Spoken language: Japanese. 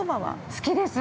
◆好きです。